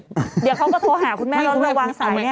เดี๋ยวเขาก็โทรหาคุณแม่ร้อนเบอร์วางสายเนี่ย